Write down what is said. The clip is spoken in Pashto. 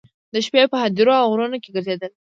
د شپې په هدیرو او غرونو کې ګرځېدل.